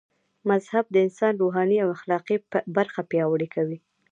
مذهب د انسان روحاني او اخلاقي برخه پياوړي کوي